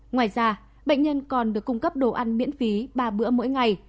ngoài ra bệnh nhân còn được cung cấp đồ ăn miễn phí ba bữa mỗi ngày